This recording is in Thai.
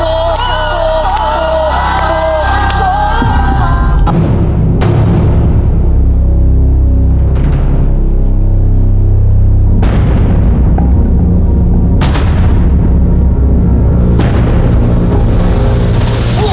ถูกถูก